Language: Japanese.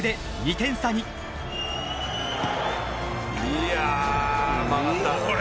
いや曲がった。